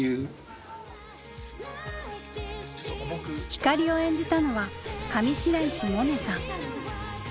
光を演じたのは上白石萌音さん。